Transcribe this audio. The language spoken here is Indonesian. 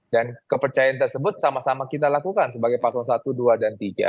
dan kepercayaan tersebut sama sama kita lakukan sebagai paslon satu dua dan tiga